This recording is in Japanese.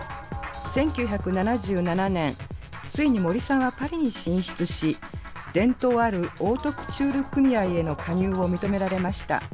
１９７７年ついに森さんはパリに進出し伝統あるオートクチュール組合への加入を認められました。